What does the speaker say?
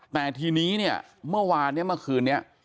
แต่ทีนี้เนี่ยเมื่อวานเนี่ยเมื่อคืนนี้